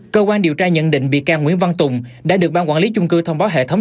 cơ quan điều tra nhận định bị can nguyễn văn tùng đã được ban quản lý chung cư thông báo hệ thống